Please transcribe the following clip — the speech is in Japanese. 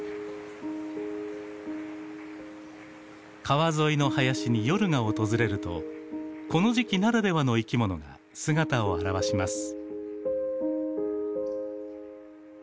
川沿いの林に夜が訪れるとこの時期ならではの生きものが姿を現します。